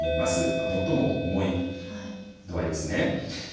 最も重い度合いですね。